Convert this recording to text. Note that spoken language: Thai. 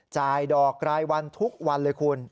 จ่ายดอกรายวันทุกวันเลยคุณ